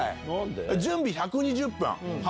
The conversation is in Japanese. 準備１２０分。